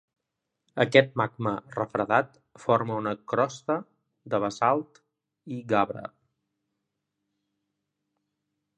Aquest magma refredat forma una crosta de basalt i gabre.